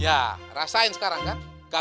ya rasain sekarang kan